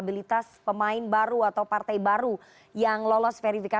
tim liputan cnn indonesia